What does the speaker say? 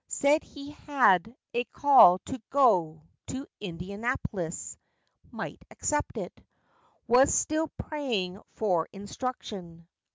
Said he had "a call to go to Indianapolis." Might accept it. Was still praying for instruction.